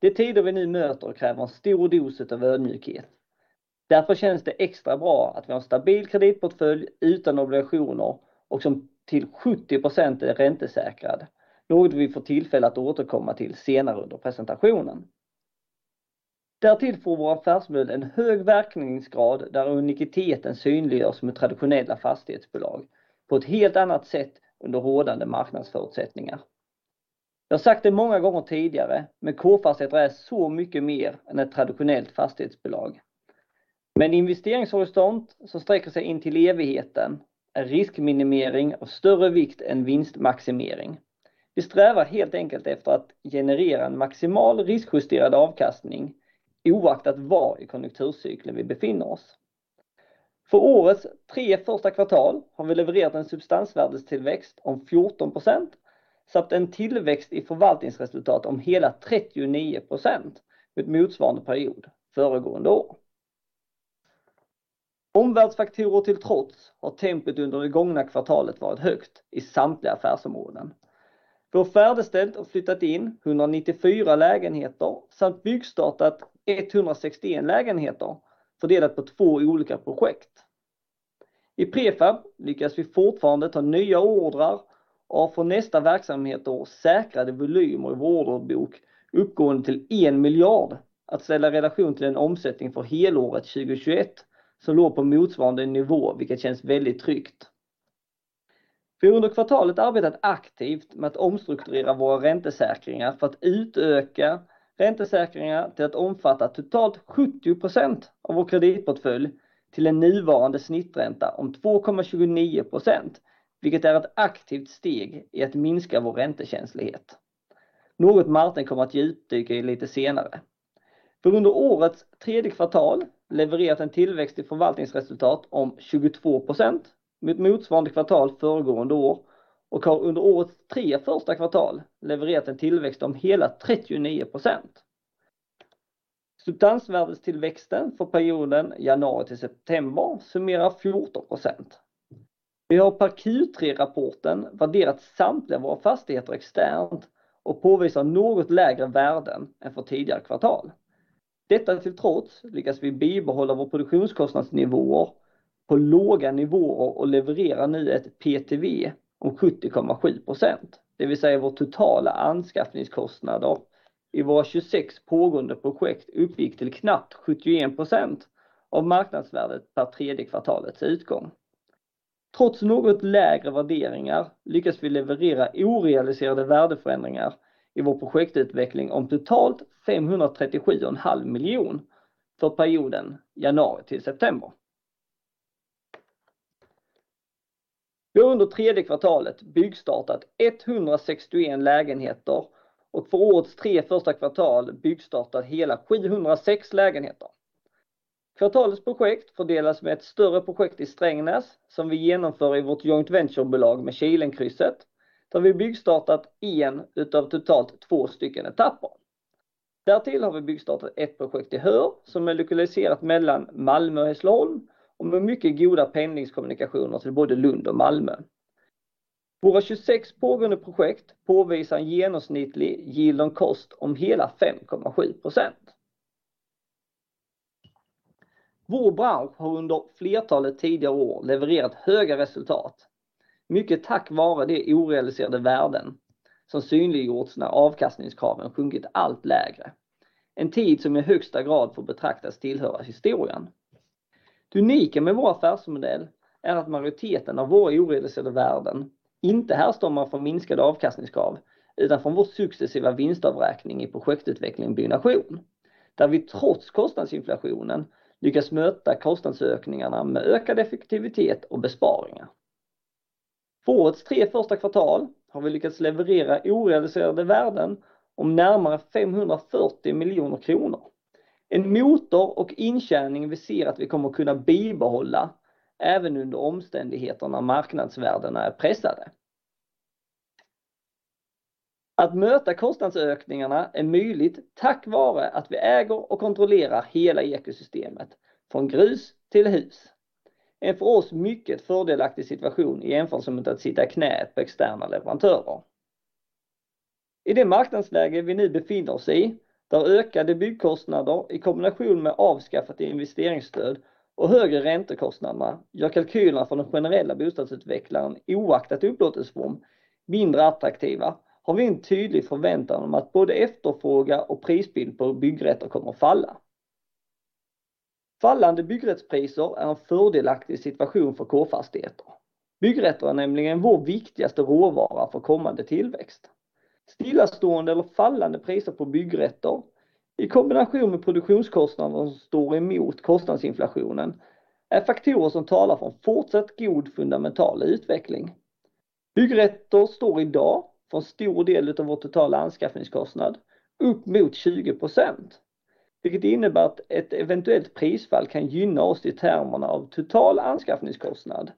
De tider vi nu möter kräver en stor dos utav ödmjukhet. Därför känns det extra bra att vi har stabil kreditportfölj utan obligationer och som till 70% är räntesäkrad. Något vi får tillfälle att återkomma till senare under presentationen. Därtill får vår affärsmodell en hög verkningsgrad där uniciteten synliggörs som ett traditionellt fastighetsbolag på ett helt annat sätt under rådande marknadsförutsättningar. Jag har sagt det många gånger tidigare, men K-Fastigheter är så mycket mer än ett traditionellt fastighetsbolag. Med en investeringshorisont som sträcker sig in till evigheten är riskminimering av större vikt än vinstmaximering. Vi strävar helt enkelt efter att generera en maximal riskjusterad avkastning, oaktat var i konjunkturcykeln vi befinner oss. För årets 3 första kvartal har vi levererat en substansvärdestillväxt om 14% samt en tillväxt i förvaltningsresultat om hela 39% med en motsvarande period föregående år. Omvärldsfaktorer till trots har tempot under det gångna kvartalet varit högt i samtliga affärsområden. Vi har färdigställt och flyttat in 194 lägenheter samt byggstartat 161 lägenheter fördelat på 2 olika projekt. I prefab lyckas vi fortfarande ta nya ordrar och har för nästa verksamhetsår säkrade volymer i vår orderbok uppgående till 1 miljard. Att ställa relation till en omsättning för helåret 2021 som låg på motsvarande nivå, vilket känns väldigt tryggt. Vi har under kvartalet arbetat aktivt med att omstrukturera våra räntesäkringar för att utöka räntesäkringar till att omfatta totalt 70% av vår kreditportfölj till en nuvarande snittränta om 2.29%, vilket är ett aktivt steg i att minska vår räntekänslighet. Något Martin kommer att djupdyka i lite senare. För under årets tredje kvartal levererat en tillväxt i förvaltningsresultat om 22% med ett motsvarande kvartal föregående år och har under årets tre första kvartal levererat en tillväxt om hela 39%. Substansvärdestillväxten för perioden januari till september summerar 14%. Vi har per Q3-rapporten värderat samtliga våra fastigheter externt och påvisar något lägre värden än för tidigare kvartal. Detta till trots lyckas vi bibehålla vår produktionskostnadsnivåer på låga nivåer och levererar nu ett PTV om 70.7%. Det vill säga vår totala anskaffningskostnader i våra 26 pågående projekt uppgick till knappt 71% av marknadsvärdet per tredje kvartalets utgång. Trots något lägre värderingar lyckas vi leverera orealiserade värdeförändringar i vår projektutveckling om totalt 537.5 miljon för perioden januari till september. Vi har under tredje kvartalet byggstartat 161 lägenheter och för årets tre första kvartal byggstartat hela 706 lägenheter. Kvartalets projekt fördelas med ett större projekt i Strängnäs som vi genomför i vårt joint venture-bolag med Kilenkrysset. Där har vi byggstartat en utav totalt två stycken etapper. Därtill har vi byggstartat ett projekt i Höör som är lokaliserat mellan Malmö och Hässleholm och med mycket goda pendlingskommunikationer till både Lund och Malmö. Våra 26 pågående projekt påvisar en genomsnittlig yield on cost om hela 5.7%. Vår bransch har under flertalet tidigare år levererat höga resultat. Mycket tack vare de orealiserade värden som synliggjorts när avkastningskraven sjunkit allt lägre. En tid som i högsta grad får betraktas tillhöra historien. Det unika med vår affärsmodell är att majoriteten av vår orealiserade värden inte härstammar från minskade avkastningskrav, utan från vår successiva vinstavräkning i projektutveckling byggnation, där vi trots kostnadsinflationen lyckas möta kostnadsökningarna med ökad effektivitet och besparingar. För årets 3 första kvartal har vi lyckats leverera orealiserade värden om närmare 540 miljoner kronor. En motor och intjäning vi ser att vi kommer att kunna bibehålla även under omständigheter när marknadsvärdena är pressade. Att möta kostnadsökningarna är möjligt tack vare att vi äger och kontrollerar hela ekosystemet från grus till hus. En för oss mycket fördelaktig situation i jämförelse med att sitta i knät på externa leverantörer. I det marknadsläge vi nu befinner oss i, där ökade byggkostnader i kombination med avskaffat investeringsstöd och högre räntekostnader gör kalkylerna för den generella bostadsutvecklaren oaktat upplåtelseform mindre attraktiva, har vi en tydlig förväntan om att både efterfråga och prisbild på byggrätter kommer att falla. Fallande byggrättspriser är en fördelaktig situation för K-Fastigheter. Byggrätter är nämligen vår viktigaste råvara för kommande tillväxt. Stillastående eller fallande priser på byggrätter i kombination med produktionskostnader som står emot kostnadsinflationen är faktorer som talar emot fortsatt god fundamental utveckling. Byggrätter står i dag för en stor del av vår totala anskaffningskostnad upp mot 20%, vilket innebär att ett eventuellt prisfall kan gynna oss i termer av total anskaffningskostnad,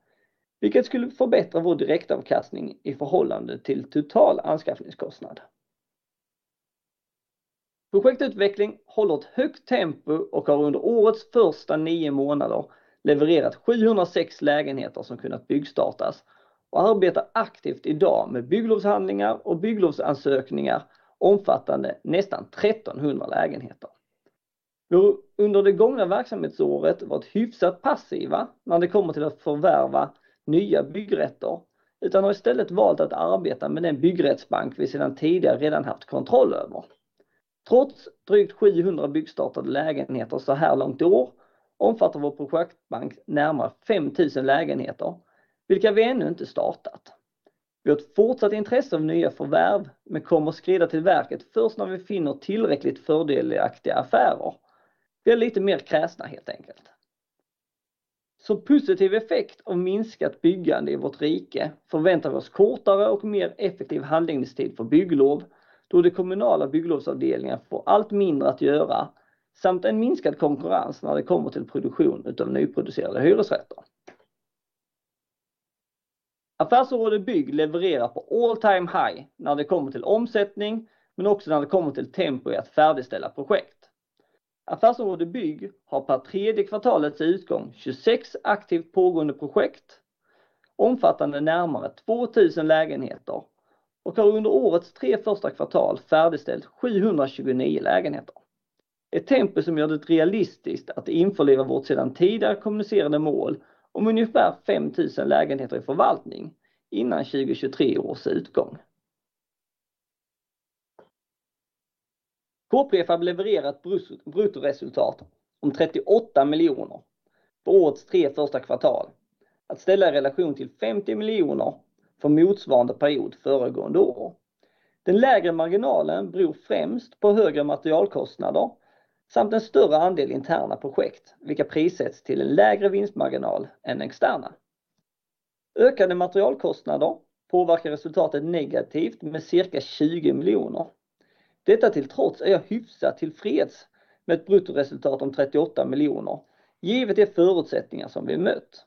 vilket skulle förbättra vår direktavkastning i förhållande till total anskaffningskostnad. Projektutveckling håller ett högt tempo och har under årets första nio månader levererat 706 lägenheter som kunnat byggstartas och arbetar aktivt i dag med bygglovshandlingar och bygglovsansökningar omfattande nästan 1,300 lägenheter. Jo, under det gångna verksamhetsåret var vi hyfsat passiva när det kommer till att förvärva nya byggrätter, utan har istället valt att arbeta med den byggrättsbank vi sedan tidigare redan haft kontroll över. Trots drygt 700 byggstartade lägenheter så här långt i år omfattar vår projektbank närmare 5,000 lägenheter, vilka vi ännu inte startat. Vi har ett fortsatt intresse av nya förvärv, men kommer att skrida till verket först när vi finner tillräckligt fördelaktiga affärer. Vi är lite mer kräsna helt enkelt. Positiv effekt av minskat byggande i vårt rike förväntar vi oss kortare och mer effektiv handläggningstid för bygglov, då de kommunala bygglovsavdelningarna får allt mindre att göra samt en minskad konkurrens när det kommer till produktion av nyproducerade hyresrätter. Affärsområde Bygg levererar på all time high när det kommer till omsättning, men också när det kommer till tempo i att färdigställa projekt. Affärsområde Bygg har per tredje kvartalets utgång 26 aktivt pågående projekt omfattande närmare 2,000 lägenheter och har under årets tre första kvartal färdigställt 729 lägenheter. Ett tempo som gör det realistiskt att införliva vårt sedan tidigare kommunicerade mål om ungefär 5,000 lägenheter i förvaltning innan 2023 års utgång. K-Prefab har levererat bruttoresultat om 38 miljoner för årets tre första kvartal. Att ställa i relation till 50 million för motsvarande period föregående år. Den lägre marginalen beror främst på högre materialkostnader samt en större andel interna projekt, vilka prissätts till en lägre vinstmarginal än den externa. Ökande materialkostnader påverkar resultatet negativt med cirka 20 million. Detta till trots är jag hyfsat tillfreds med ett bruttoresultat om 38 million, givet de förutsättningar som vi mött.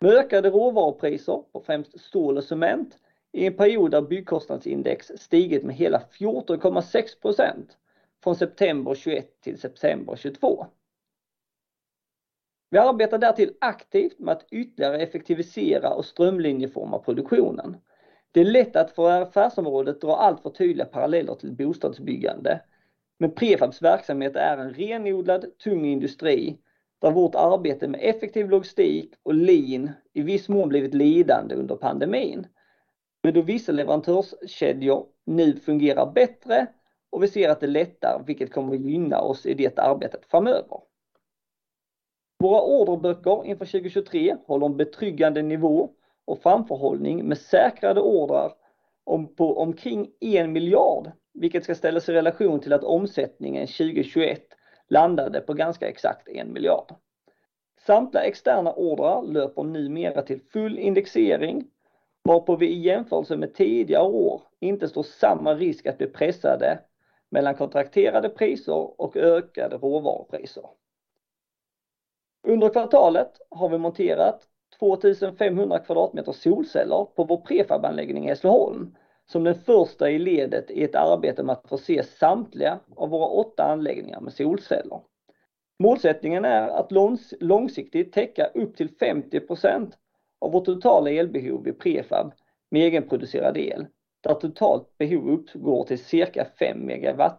Med ökade råvarupriser på främst stål och cement i en period där Byggkostnadsindex stigit med hela 14.6% från September 2021 till September 2022. Vi arbetar därtill aktivt med att ytterligare effektivisera och strömlinjeforma produktionen. Det är lätt att för affärsområdet dra alltför tydliga paralleller till ett bostadsbyggande. Men Prefabs verksamhet är en renodlad tung industri där vårt arbete med effektiv logistik och lean i viss mån blivit lidande under pandemin. Då vissa leverantörskedjor nu fungerar bättre och vi ser att det lättar, vilket kommer att gynna oss i det arbetet framöver. Våra orderböcker inför 2023 håller en betryggande nivå och framförhållning med säkrade ordrar om på omkring 1 miljard, vilket ska ställas i relation till att omsättningen 2021 landade på ganska exakt 1 miljard. Samtliga externa ordrar löper numera till full indexering, varpå vi i jämförelse med tidigare år inte står samma risk att bli pressade mellan kontrakterade priser och ökade råvarupriser. Under kvartalet har vi monterat 2,500 kvadratmeter solceller på vår prefab-anläggning i Hässleholm, som den första i ledet i ett arbete med att förse samtliga av våra 8 anläggningar med solceller. Målsättningen är att långsiktigt täcka upp till 50% av vårt totala elbehov vid prefab med egenproducerad el, där totalt behov uppgår till cirka 5 MWh.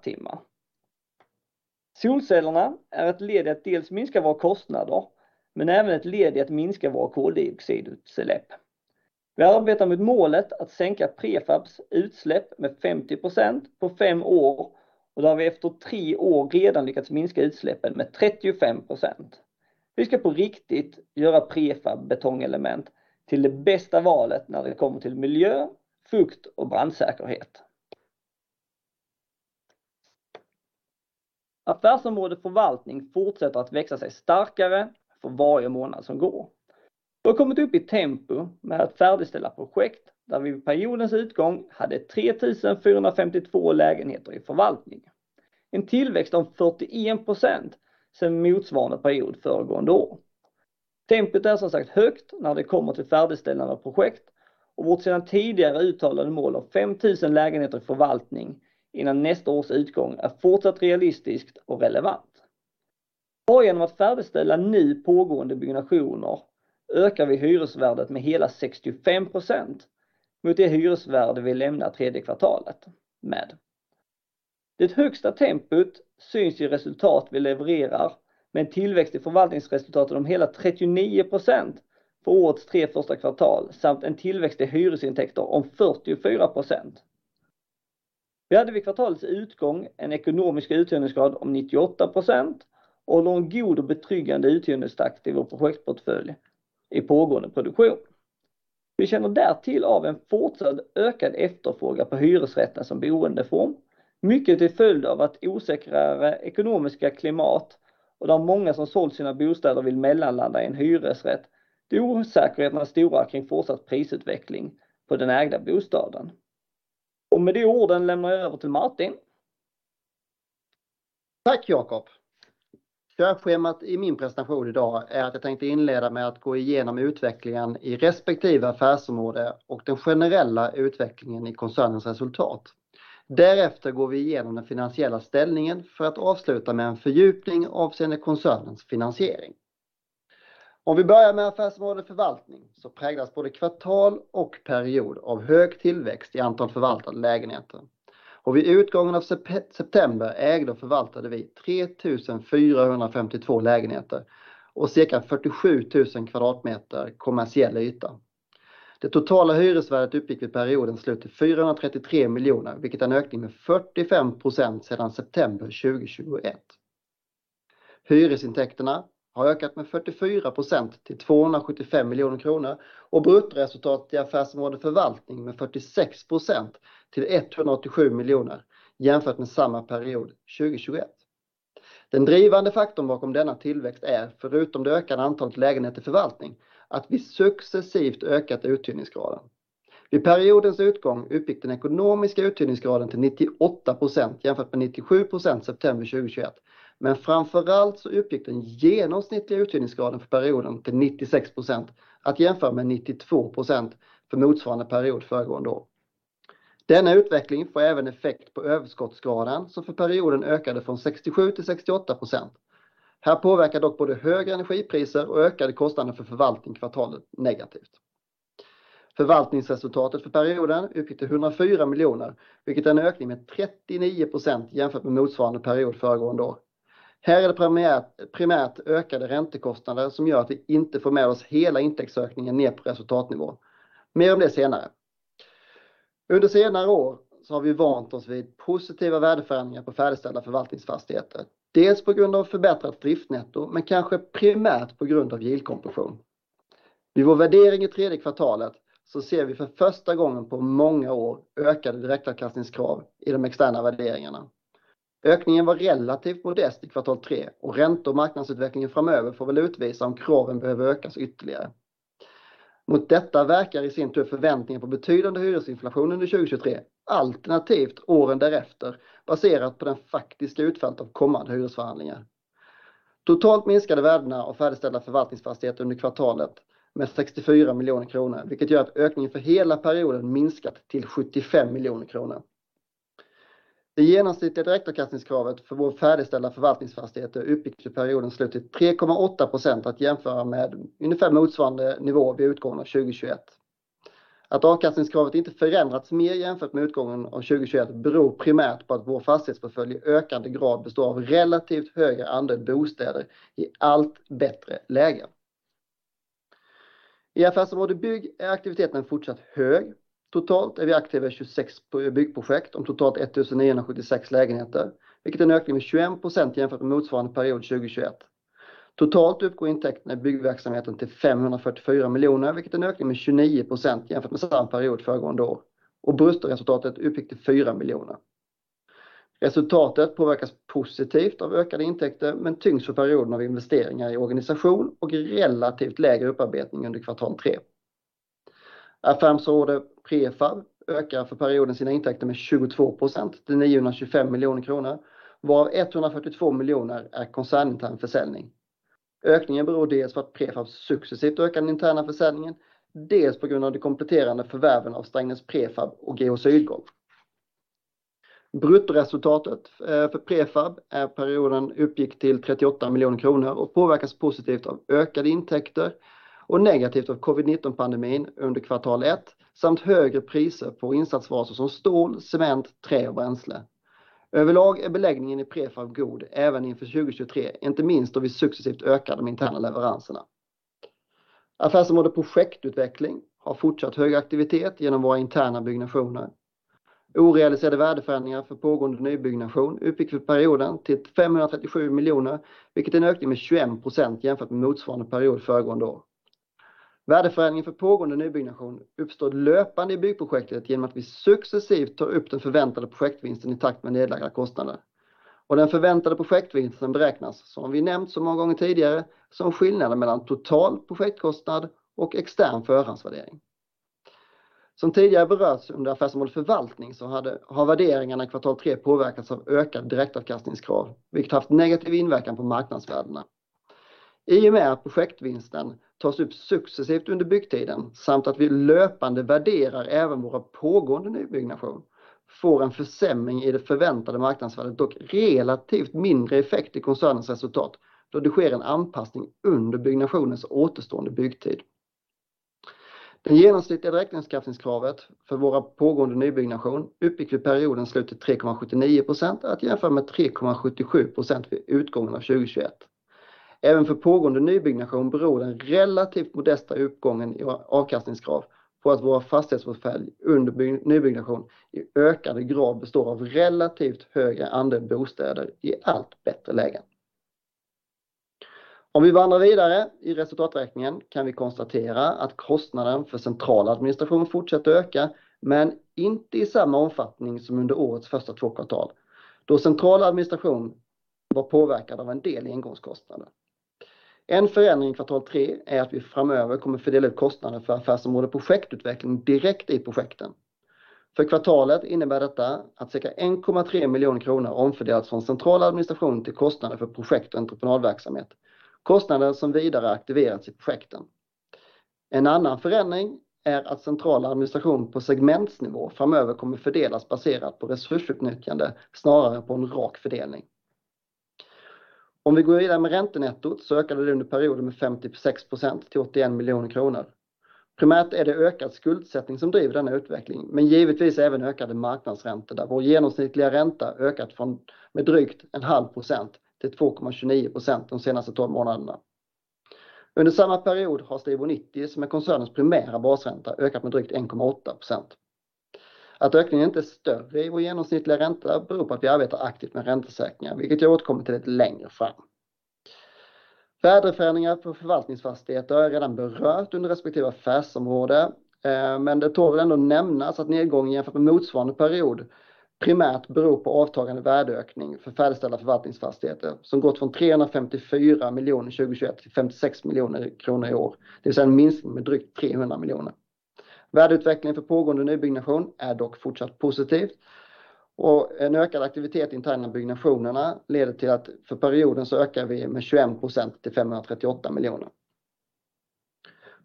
Solcellerna är ett led i att dels minska våra kostnader, men även ett led i att minska våra koldioxidutsläpp. Vi arbetar mot målet att sänka K-Prefabs utsläpp med 50% på 5 år och där vi efter 3 år redan lyckats minska utsläppen med 35%. Vi ska på riktigt göra K-Prefab betongelement till det bästa valet när det kommer till miljö, fukt och brandsäkerhet. Affärsområde förvaltning fortsätter att växa sig starkare för varje månad som går. Vi har kommit upp i tempo med att färdigställa projekt där vi vid periodens utgång hade 3,452 lägenheter i förvaltning. En tillväxt om 41% sedan motsvarande period föregående år. Tempot är som sagt högt när det kommer till färdigställande av projekt och vårt sedan tidigare uttalade mål av 5,000 lägenheter i förvaltning innan nästa års utgång är fortsatt realistiskt och relevant. Bara genom att färdigställa nu pågående byggnationer ökar vi hyresvärdet med hela 65% mot det hyresvärde vi lämnar tredje kvartalet med. Det högsta tempot syns i resultat vi levererar med en tillväxt i förvaltningsresultatet om hela 39% för årets tre första kvartal samt en tillväxt i hyresintäkter om 44%. Vi hade vid kvartalets utgång en ekonomisk uthyrningsgrad om 98% och håller en god och betryggande uthyrningstakt i vår projektportfölj i pågående produktion. Vi känner därtill av en fortsatt ökad efterfrågan på hyresrätten som boendeform, mycket till följd av ett osäkrare ekonomiska klimat och de många som sålt sina bostäder vill mellanlanda i en hyresrätt, då osäkerheterna är stora kring fortsatt prisutveckling på den ägda bostaden. Med de orden lämnar jag över till Martin. Tack, Jakob. Enligt schemat i min presentation idag är att jag tänkte inleda med att gå igenom utvecklingen i respektive affärsområde och den generella utvecklingen i koncernens resultat. Därefter går vi igenom den finansiella ställningen för att avsluta med en fördjupning avseende koncernens finansiering. Om vi börjar med affärsområdet förvaltning så präglas både kvartal och period av hög tillväxt i antal förvaltade lägenheter. Vid utgången av september ägde och förvaltade vi 3,452 lägenheter och cirka 47,000 kvadratmeter kommersiell yta. Det totala hyresvärdet uppgick vid periodens slut till 413 million, vilket är en ökning med 45% sedan September 2021. Hyresintäkterna har ökat med 44% till 275 million kronor och bruttoresultat i affärsområdet förvaltning med 46% till 187 million jämfört med samma period 2021. Den drivande faktorn bakom denna tillväxt är, förutom det ökade antalet lägenheter i förvaltning, att vi successivt ökat uthyrningsgraden. Vid periodens utgång uppgick den ekonomiska uthyrningsgraden till 98% jämfört med 97% September 2021. Framför allt så uppgick den genomsnittliga uthyrningsgraden för perioden till 96% att jämföra med 92% för motsvarande period föregående år. Denna utveckling får även effekt på överskottsgraden som för perioden ökade från 67 till 68%. Här påverkar dock både högre energipriser och ökade kostnader för förvaltning kvartalet negativt. Förvaltningsresultatet för perioden uppgick till SEK 104 miljoner, vilket är en ökning med 39% jämfört med motsvarande period föregående år. Här är det primärt ökade räntekostnader som gör att vi inte får med oss hela intäktsökningen ner på resultatnivå. Mer om det senare. Under senare år så har vi vant oss vid positiva värdeförändringar på färdigställda förvaltningsfastigheter, dels på grund av förbättrat driftnetto, men kanske primärt på grund av yield compression. Vid vår värdering i tredje kvartalet ser vi för första gången på många år ökade direktavkastningskrav i de externa värderingarna. Ökningen var relativt modest i kvartal tre och ränta och marknadsutvecklingen framöver får väl utvisa om kraven behöver ökas ytterligare. Mot detta verkar i sin tur förväntningen på betydande hyresinflation under 2023, alternativt åren därefter, baserat på den faktiska utfallet av kommande hyresförhandlingar. Totalt minskade värdena av färdigställda förvaltningsfastigheter under kvartalet med 64 miljoner kronor, vilket gör att minskningen för hela perioden ökat till 75 miljoner kronor. Det genomsnittliga direktavkastningskravet för vår färdigställda förvaltningsfastigheter uppgick till periodens slut 3.8% att jämföra med ungefär motsvarande nivå vid utgången av 2021. Att avkastningskravet inte förändrats mer jämfört med utgången av 2021 beror primärt på att vår fastighetsportfölj i ökande grad består av relativt högre andel bostäder i allt bättre lägen. I affärsområde bygg är aktiviteten fortsatt hög. Totalt är vi aktiva i 26 byggprojekt om totalt 1,976 lägenheter, vilket är en ökning med 21% jämfört med motsvarande period 2021. Totalt uppgår intäkterna i byggverksamheten till SEK 544 miljoner, vilket är en ökning med 29% jämfört med samma period föregående år och bruttoresultatet uppgick till 4 miljoner. Resultatet påverkas positivt av ökade intäkter, men tyngs för perioden av investeringar i organisation och relativt lägre upparbetning under kvartal tre. Affärsområde prefab ökar för perioden sina intäkter med 22% till 925 miljoner kronor, varav 142 miljoner är koncernintern försäljning. Ökningen beror dels för att prefab successivt ökar den interna försäljningen, dels på grund av de kompletterande förvärven av Strängnäs Prefab och GH Sydgolv. Bruttoresultatet för prefab för perioden uppgick till 38 miljoner kronor och påverkas positivt av ökade intäkter och negativt av Covid-19-pandemin under kvartal ett samt högre priser på insatsvaror som stål, cement, trä och bränsle. Överlag är beläggningen i prefab god även inför 2023, inte minst då vi successivt ökar de interna leveranserna. Affärsområde projektutveckling har fortsatt hög aktivitet genom våra interna byggnationer. Orealiserade värdeförändringar för pågående nybyggnation uppgick för perioden till 537 miljoner, vilket är en ökning med 21% jämfört med motsvarande period föregående år. Värdeförändringen för pågående nybyggnation uppstår löpande i byggprojektet genom att vi successivt tar upp den förväntade projektvinsten i takt med nedlagda kostnader. Den förväntade projektvinsten beräknas, som vi nämnt så många gånger tidigare, som skillnaden mellan total projektkostnad och extern förhandsvärdering. Som tidigare berörts under affärsområde förvaltning så hade, har värderingarna i kvartal tre påverkats av ökat direktavkastningskrav, vilket haft negativ inverkan på marknadsvärdena. I och med att projektvinsten tas upp successivt under byggtiden samt att vi löpande värderar även våra pågående nybyggnation, får en försämring i det förväntade marknadsvärdet dock relativt mindre effekt i koncernens resultat då det sker en anpassning under byggnationens återstående byggtid. Det genomsnittliga direktavkastningskravet för våra pågående nybyggnation uppgick vid periodens slut till 3.79% att jämföra med 3.77% vid utgången av 2021. Även för pågående nybyggnation beror den relativt modesta uppgången i vår avkastningskrav på att vår fastighetsportfölj under nybyggnation i ökande grad består av relativt högre andel bostäder i allt bättre lägen. Om vi vandrar vidare i resultaträkningen kan vi konstatera att kostnaden för central administration fortsätter öka, men inte i samma omfattning som under årets första två kvartal. Då central administration var påverkad av en del engångskostnader. En förändring i kvartal tre är att vi framöver kommer fördela upp kostnaden för affärsområde projektutveckling direkt i projekten. För kvartalet innebär detta att cirka 1.3 miljoner kronor omfördelats från central administration till kostnader för projekt och entreprenadverksamhet. Kostnaden som vidare aktiverats i projekten. En annan förändring är att central administration på segmentsnivå framöver kommer fördelas baserat på resursutnyttjande snarare än på en rak fördelning. Om vi går vidare med räntenettot så ökade det under perioden med 56% till 18 miljoner kronor. Primärt är det ökad skuldsättning som driver denna utveckling, men givetvis även ökade marknadsräntor där vår genomsnittliga ränta ökat från med drygt 0.5% till 2.29% de senaste 12 månaderna. Under samma period har Stibor 90, som är koncernens primära basränta, ökat med drygt 1.8%. Att ökningen inte är större i vår genomsnittliga ränta beror på att vi arbetar aktivt med räntesäkringar, vilket jag återkommer till lite längre fram. Värdeförändringar på förvaltningsfastigheter har jag redan berört under respektive affärsområde. Men det tål ändå att nämnas att nedgången jämfört med motsvarande period primärt beror på avtagande värdeökning för färdigställda förvaltningsfastigheter som gått från 354 miljoner 2021 till 56 miljoner kronor i år, det vill säga en minskning med drygt 300 miljoner. Värdeutvecklingen för pågående nybyggnation är dock fortsatt positiv och en ökad aktivitet internt av byggnationerna leder till att för perioden så ökar vi med 21% till 538 miljoner.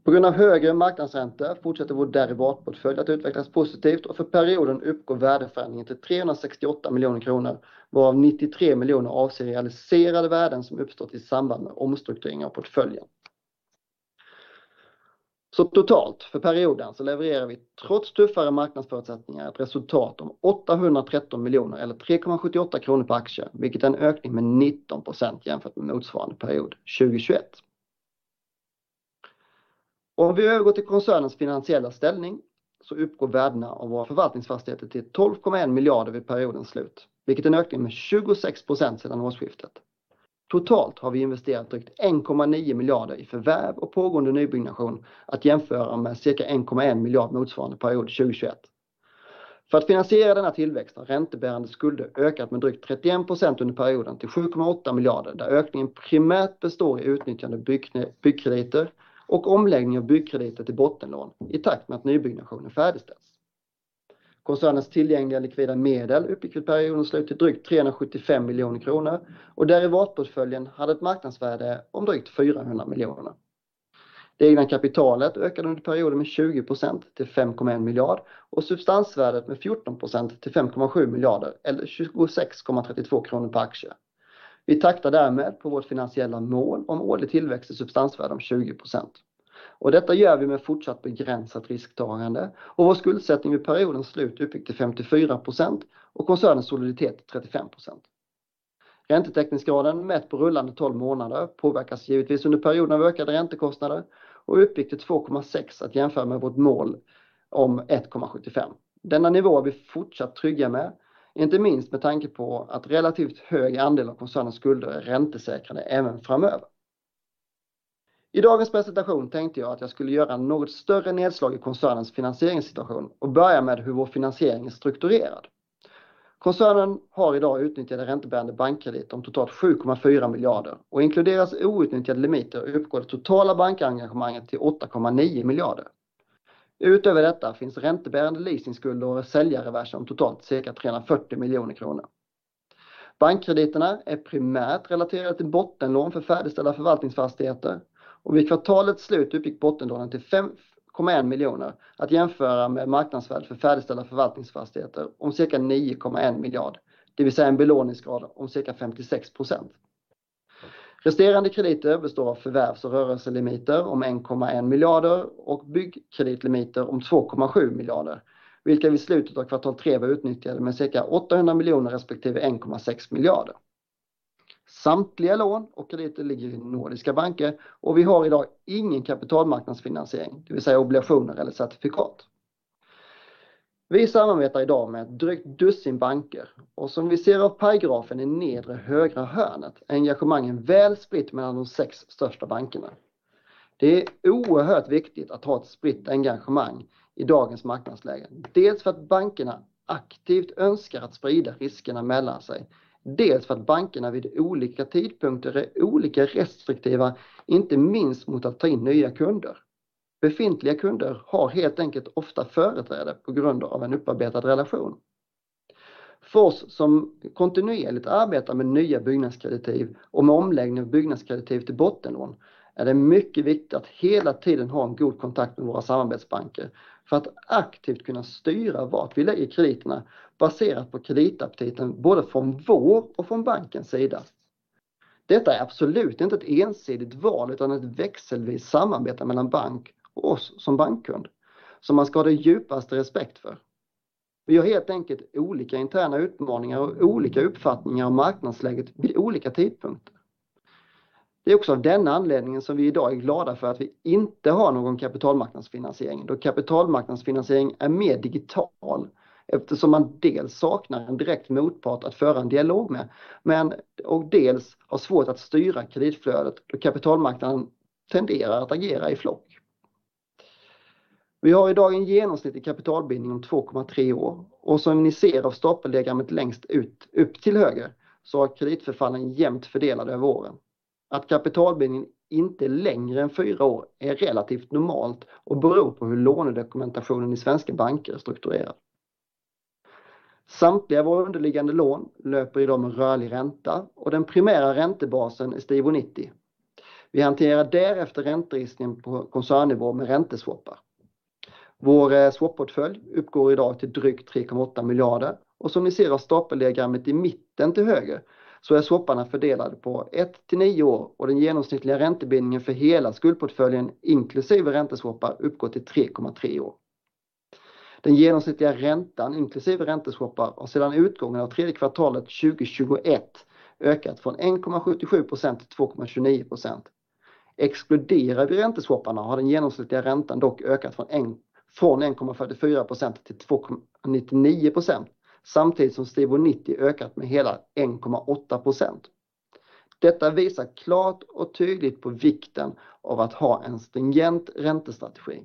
På grund av högre marknadsräntor fortsätter vår derivatportfölj att utvecklas positivt och för perioden uppgår värdeförändringen till 368 miljoner kronor, varav 93 miljoner avser realiserade värden som uppstått i samband med omstrukturering av portföljen. Totalt för perioden levererar vi trots tuffare marknadsförutsättningar ett resultat om 813 miljoner eller 3.78 kronor per aktie, vilket är en ökning med 19% jämfört med motsvarande period 2021. Om vi övergår till koncernens finansiella ställning så uppgår värdena av våra förvaltningsfastigheter till 12.1 miljarder vid periodens slut, vilket är en ökning med 26% sedan årsskiftet. Totalt har vi investerat drygt 1.9 miljarder i förvärv och pågående nybyggnation att jämföra med cirka SEK 1.1 miljard motsvarande period 2021. För att finansiera denna tillväxt har räntebärande skulder ökat med drygt 31% under perioden till SEK 7.8 miljarder, där ökningen primärt består i utnyttjande byggkrediter och omläggning av byggkrediter till bottenlån i takt med att nybyggnationen färdigställs. Koncernens tillgängliga likvida medel uppgick vid periodens slut till drygt 375 miljoner kronor och derivatportföljen hade ett marknadsvärde om drygt 400 miljoner. Det egna kapitalet ökade under perioden med 20% till 5.1 miljard och substansvärdet med 14% till 5.7 miljarder eller 26.32 kronor per aktie. Vi taktar därmed på vårt finansiella mål om årlig tillväxt i substansvärde om 20%. Detta gör vi med fortsatt begränsat risktagande och vår skuldsättning vid periodens slut uppgick till 54% och koncernens soliditet 35%. Räntetäckningsgraden mätt på rullande 12 månader påverkas givetvis under perioden av ökade räntekostnader och uppgick till 2.6 att jämföra med vårt mål om 1.75. Denna nivå är vi fortsatt trygga med, inte minst med tanke på att relativt hög andel av koncernens skulder är räntesäkrade även framöver. I dagens presentation tänkte jag att jag skulle göra något större nedslag i koncernens finansieringssituation och börja med hur vår finansiering är strukturerad. Koncernen har i dag utnyttjade räntebärande bankkredit om totalt 7.4 miljarder och inkluderas outnyttjade limiter uppgår det totala bankengagemanget till SEK 8.9 miljarder. Utöver detta finns räntebärande leasingskuld och säljarreverser om totalt cirka 340 miljoner kronor. Bankkrediterna är primärt relaterade till bottenlån för färdigställda förvaltningsfastigheter och vid kvartalets slut uppgick bottenlånen till 5.1 miljarder att jämföra med marknadsvärde för färdigställda förvaltningsfastigheter om cirka 9.1 miljard, det vill säga en belåningsgrad om cirka 56%. Resterande krediter består av förvärvs- och rörelselimiter om SEK 1.1 miljarder och byggkreditlimiter om SEK 2.7 miljarder, vilka vid slutet av kvartal tre var utnyttjade med cirka 800 miljoner respektive 1.6 miljarder. Samtliga lån och krediter ligger i nordiska banker och vi har i dag ingen kapitalmarknadsfinansiering, det vill säga obligationer eller certifikat. Vi samarbetar i dag med drygt dussin banker och som vi ser av pajgrafen i nedre högra hörnet är engagemangen väl spritt mellan de sex största bankerna. Det är oerhört viktigt att ha ett spritt engagemang i dagens marknadsläge. Dels för att bankerna aktivt önskar att sprida riskerna mellan sig, dels för att bankerna vid olika tidpunkter är olika restriktiva, inte minst mot att ta in nya kunder. Befintliga kunder har helt enkelt ofta företräde på grund av en upparbetad relation. För oss som kontinuerligt arbetar med nya byggnadskreditiv och med omläggning av byggnadskreditiv till bottenlån är det mycket viktigt att hela tiden ha en god kontakt med våra samarbetsbanker för att aktivt kunna styra vart vi lägger krediterna baserat på kreditaptiten både från vår och från bankens sida. Detta är absolut inte ett ensidigt val, utan ett växelvis samarbete mellan bank och oss som bankkund som man ska ha det djupaste respekt för. Vi har helt enkelt olika interna utmaningar och olika uppfattningar av marknadsläget vid olika tidpunkter. Det är också av denna anledningen som vi i dag är glada för att vi inte har någon kapitalmarknadsfinansiering. Då kapitalmarknadsfinansiering är mer digital eftersom man dels saknar en direkt motpart att föra en dialog med, men och dels har svårt att styra kreditflödet då kapitalmarknaden tenderar att agera i flock. Vi har i dag en genomsnittlig kapitalbindning om 2.3 år och som ni ser av stapeldiagrammet längst ut, upp till höger, så är kreditförfallen jämt fördelade över åren. Att kapitalbindningen inte är längre än fyra år är relativt normalt och beror på hur lånedokumentationen i svenska banker är strukturerad. Samtliga av våra underliggande lån löper i dag med rörlig ränta och den primära räntebasen är Stibor 90. Vi hanterar därefter ränterisken på koncernnivå med ränteswappar. Vår swap-portfölj uppgår i dag till drygt 3.8 miljarder och som ni ser av stapeldiagrammet i mitten till höger så är swapparna fördelade på ett till nio år och den genomsnittliga räntebindningen för hela skuldportföljen, inklusive ränteswappar, uppgår till 3.3 år. Den genomsnittliga räntan inklusive ränteswappar har sedan utgången av tredje kvartalet 2021 ökat från 1.77% till 2.29%. Exkluderar vi ränteswapparna har den genomsnittliga räntan dock ökat från 1.44% till 2.99%, samtidigt som Stibor 90 ökat med hela 1.8%. Detta visar klart och tydligt på vikten av att ha en stringent räntestrategi.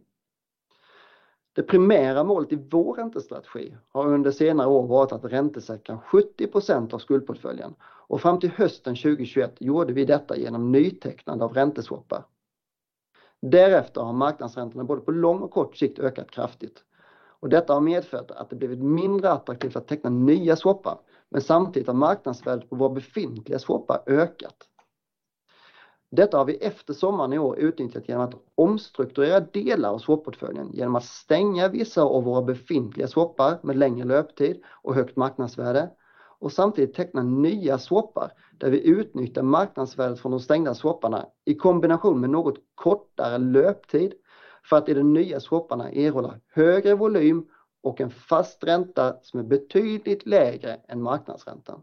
Det primära målet i vår räntestrategi har under senare år varit att räntesäkra 70% av skuldportföljen och fram till hösten 2021 gjorde vi detta genom nytecknande av ränteswappar. Därefter har marknadsräntorna både på lång och kort sikt ökat kraftigt och detta har medfört att det blivit mindre attraktivt att teckna nya swappar, men samtidigt har marknadsvärdet på våra befintliga swappar ökat. Detta har vi efter sommaren i år utnyttjat genom att omstrukturera delar av swap-portföljen genom att stänga vissa av våra befintliga swappar med längre löptid och högt marknadsvärde och samtidigt teckna nya swappar där vi utnyttjar marknadsvärdet från de stängda swapparna i kombination med något kortare löptid för att i de nya swapparna erhålla högre volym och en fast ränta som är betydligt lägre än marknadsräntan.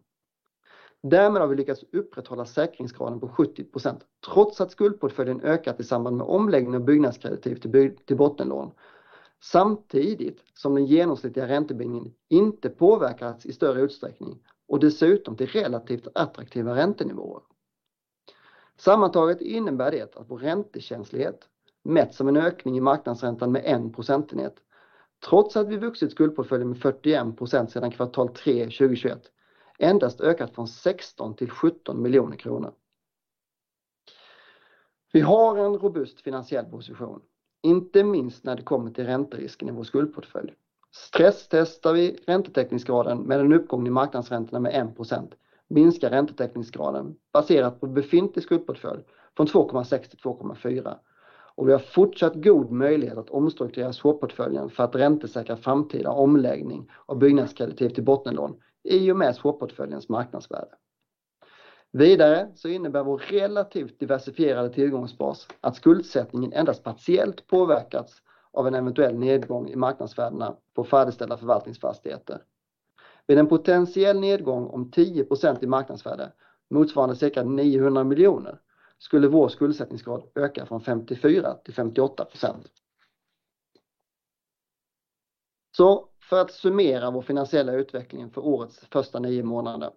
Därmed har vi lyckats upprätthålla säkringsgraden på 70%, trots att skuldportföljen ökat i samband med omläggning av byggnadskreditiv till bottenlån. Samtidigt som den genomsnittliga räntebindningen inte påverkats i större utsträckning och dessutom till relativt attraktiva räntenivåer. Sammantaget innebär det att vår räntekänslighet, mätt som en ökning i marknadsräntan med en procentenhet, trots att vi vuxit skuldportföljen med 41% sedan kvartal tre 2021, endast ökat från 16 million till 17 million kronor. Vi har en robust finansiell position, inte minst när det kommer till ränterisken i vår skuldportfölj. Stresstestar vi räntetäckningsgraden med en ökning i marknadsräntorna med 1%, minskar räntetäckningsgraden baserat på befintlig skuldportfölj från 2.6 till 2.4. Vi har fortsatt god möjlighet att omstrukturera swap-portföljen för att räntesäkra framtida omläggning av byggnadskreditiv till bottenlån i och med swap-portföljens marknadsvärde. Vidare innebär vår relativt diversifierade tillgångsbas att skuldsättningen endast partiellt påverkats av en eventuell nedgång i marknadsvärdena på färdigställda förvaltningsfastigheter. Vid en potentiell nedgång om 10% i marknadsvärde, motsvarande cirka 900 million, skulle vår skuldsättningsgrad öka från 54% till 58%. För att summera vår finansiella utveckling för årets första nio månader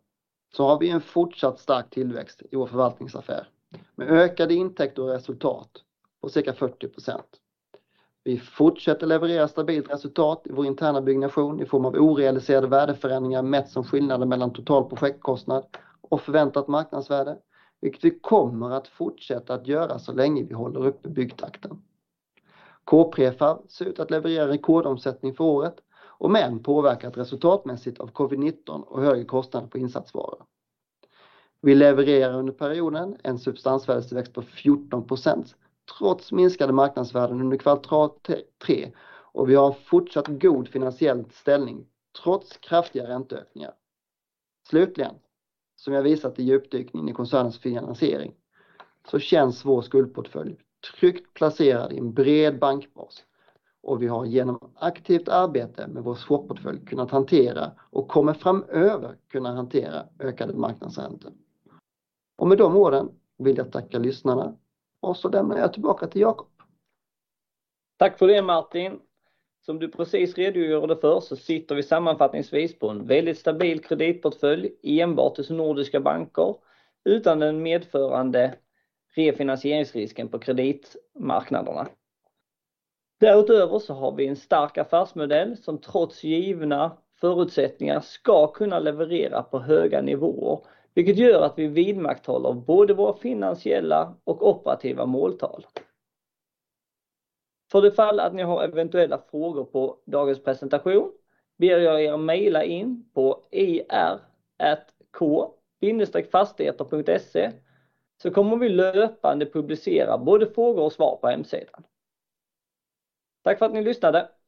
så har vi en fortsatt stark tillväxt i vår förvaltningsaffär med ökade intäkter och resultat på cirka 40%. Vi fortsätter leverera stabilt resultat i vår interna byggnation i form av orealiserade värdeförändringar mätt som skillnaden mellan total projektkostnad och förväntat marknadsvärde, vilket vi kommer att fortsätta att göra så länge vi håller uppe byggtakten. K-Prefab ser ut att leverera rekordomsättning för året men påverkat resultatmässigt av Covid-19 och högre kostnader på insatsvaror. Vi levererar under perioden en substansvärdestillväxt på 14% trots minskade marknadsvärden under kvartal tre och vi har fortsatt god finansiell ställning trots kraftiga ränteökningar. Slutligen, som jag visat i djupdykningen i koncernens finansiering, så känns vår skuldportfölj tryggt placerad i en bred bankbas och vi har igenom aktivt arbete med vår swap-portfölj kunnat hantera och kommer framöver kunna hantera ökade marknadsräntor. Med de orden vill jag tacka lyssnarna och så lämnar jag tillbaka till Jakob. Tack för det Martin. Som du precis redogjorde för så sitter vi sammanfattningsvis på en väldigt stabil kreditportfölj enbart till nordiska banker utan den medförande refinansieringsrisken på kreditmarknaderna. Därutöver så har vi en stark affärsmodell som trots givna förutsättningar ska kunna leverera på höga nivåer, vilket gör att vi vidmakthåller både våra finansiella och operativa måltal. För det fall att ni har eventuella frågor på dagens presentation ber jag er att mejla in på ir@k-fastigheter.se så kommer vi löpande publicera både frågor och svar på hemsidan. Tack för att ni lyssnade!